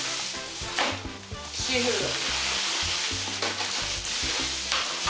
シーフード。